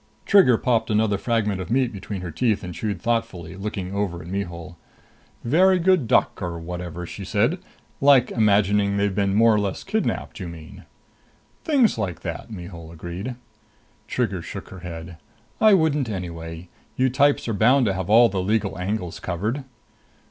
Trigger popped another fragment of meat between her teeth and chewed thoughtfully, looking over at Mihul. "Very good duck or whatever!" she said. "Like imagining they've been more or less kidnapped, you mean?" "Things like that," Mihul agreed. Trigger shook her head. "I wouldn't anyway. You types are bound to have all the legal angles covered."